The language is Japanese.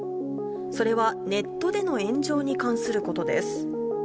それはネットでの炎上に関することです。